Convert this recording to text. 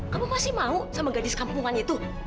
kamu masih mau sama gadis kampungan itu